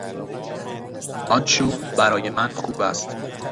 آن شغل برای من خوب است.